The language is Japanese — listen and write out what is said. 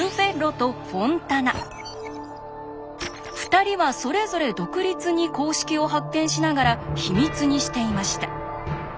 ２人はそれぞれ独立に公式を発見しながら秘密にしていました。